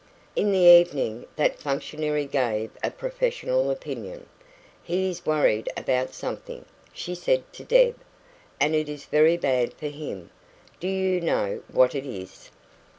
In the evening that functionary gave a professional opinion. "He is worried about something," she said to Deb, "and it is very bad for him. Do you know what it is?"